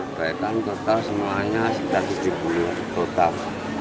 berkaitan total semuanya sekitar tujuh puluh total